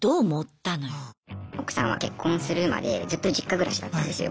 奥さんは結婚するまでずっと実家暮らしだったんですよ。